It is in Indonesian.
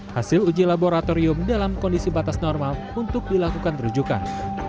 hasil uji laboratorium dalam kondisi batas normal untuk dilakukan rujukan